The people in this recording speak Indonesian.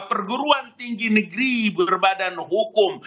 perguruan tinggi negeri berbadan hukum